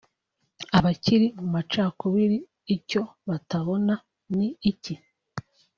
Abakiri mu macakubiri icyo batabona ni iki